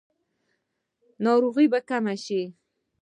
ناروغۍ به کمې شي؟